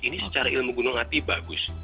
ini secara ilmu gunung api bagus